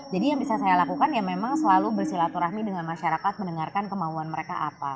jadi yang bisa saya lakukan ya memang selalu bersilaturahmi dengan masyarakat mendengarkan kemauan mereka apa